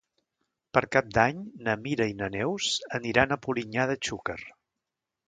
Per Cap d'Any na Mira i na Neus aniran a Polinyà de Xúquer.